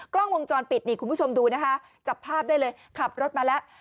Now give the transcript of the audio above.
กล้องวงจรปิดนี่คุณผู้ชมดูนะคะจับภาพได้เลยขับรถมาแล้ว